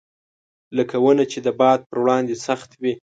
لکه ونه چې د باد پر وړاندې سخت وي.